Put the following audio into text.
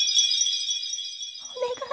お願い！